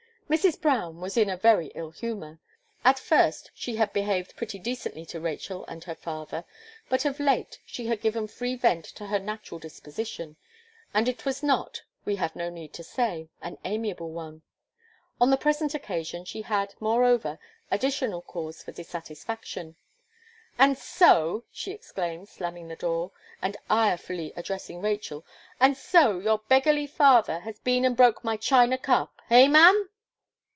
Mrs. Brown was in a very ill humour. At first, she had behaved pretty decently to Rachel and her father; but of late, she had given free vent to her natural disposition; and it was not, we have no need to say, an amiable one. On the present occasion, she had, moreover, additional cause for dissatisfaction. "And so," she exclaimed, slamming the door, and irefully addressing Rachel, "and so your beggarly father has been and broke my china cup! Eh, ma'am!"